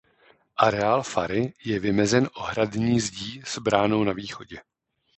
Areál fary je vymezen ohradní zdí s bránou na východě.